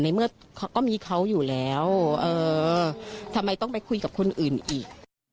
ในเมื่อเขาก็มีเขาอยู่แล้วทำไมต้องไปคุยกับคนอื่นอีก